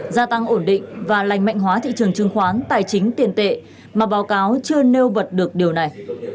gia tăng ổn định và lành mạnh hóa thị trường chứng khoán tài chính tiền tệ mà báo cáo chưa nêu bật được điều này